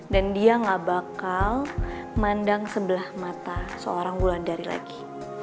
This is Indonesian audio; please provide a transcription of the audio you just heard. dan dia nggak bakal mandang sebelah mata seorang gulandari lagi